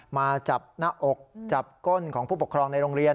มาจับหน้าอกจับก้นของผู้ปกครองในโรงเรียน